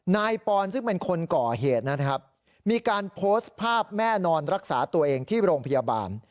นายปอนซึ่งเป็นคนก่อเหตุนะครับมีการโพสต์ภาพแม่นอนรักษาตัวเองที่โรงพยาบาล